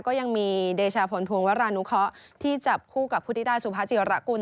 ก็ยังมีเดชาผลพวงวรานุเคาะที่จับคู่กับพุทธิดาสุภาจิระกุล